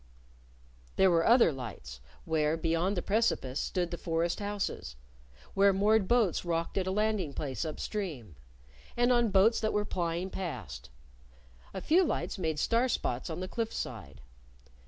There were other lights where, beyond the precipice, stood the forest houses; where moored boats rocked at a landing place up stream; and on boats that were plying past. A few lights made star spots on the cliff side.